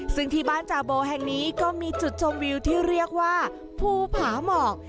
ซึ่งที่บ้านจาโบแห่งนี้ก็มีจุดชมวิวที่เรียกว่าภูผาหมอก